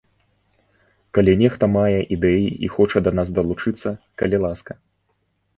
Калі нехта мае ідэі і хоча да нас далучыцца, калі ласка!